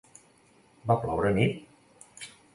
¿Va ploure anit?